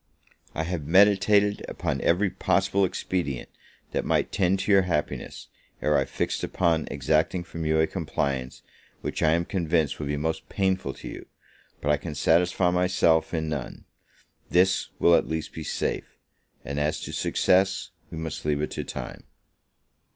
I have meditated upon every possible expedient that might tend to your happiness, ere I fixed upon exacting from you a compliance which I am convinced will be most painful to you; but I can satisfy myself in none. This will at least be safe; and as to success, we must leave it to time.